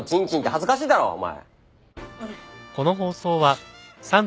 恥ずかしいだろお前。